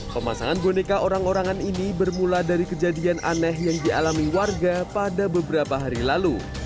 pemasangan boneka orang orangan ini bermula dari kejadian aneh yang dialami warga pada beberapa hari lalu